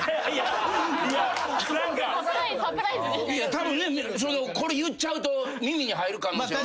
たぶんねこれ言っちゃうと耳に入る可能性はある。